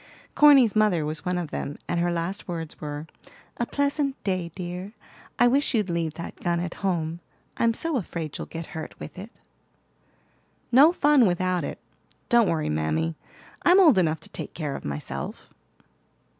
Corny's mother was one of them, and her last words were, "A pleasant day, dear. I wish you'd leave that gun at home; I'm so afraid you'll get hurt with it.' "No fun without it. Don't worry, mammy; I'm old enough to take care of myself."